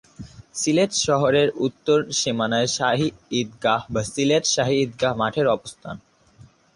সিলেট শহরের উত্তর সীমায় শাহী ঈদগাহ বা সিলেট শাহী ঈদগাহ মাঠের অবস্থান।